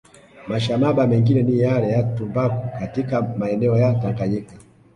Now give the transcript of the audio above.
Mashamaba mengine ni yale ya Tumbaku katika maeneo ya Tanganyika